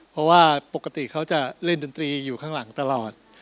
เพราะว่าปกติเขาจะเล่นดนตรีอยู่ข้างหลังตลอด